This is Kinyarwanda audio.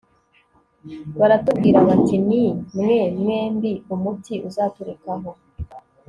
baratubwira bati ni mwe mwembi umuti uzaturukaho